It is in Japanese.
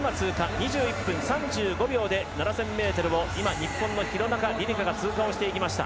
２１分３５秒で７０００ｍを日本の廣中璃梨佳が通過をしていきました。